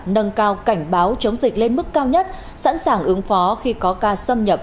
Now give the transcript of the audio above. nâng cao cảnh báo chống dịch lên mức cao nhất sẵn sàng ứng phó khi có ca xâm nhập